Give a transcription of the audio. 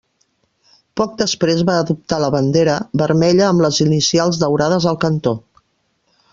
Poc després va adoptar la bandera, vermella amb les inicials daurades al cantó.